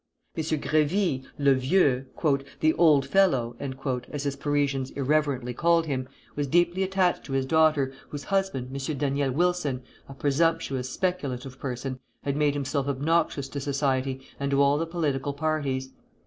M. Grévy le vieux, "the old fellow," as his Parisians irreverently called him was deeply attached to his daughter, whose husband, M. Daniel Wilson, a presumptuous, speculative person, had made himself obnoxious to society and to all the political parties.